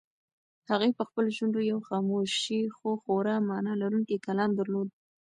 هغې په خپلو شونډو یو خاموش خو خورا مانا لرونکی کلام درلود.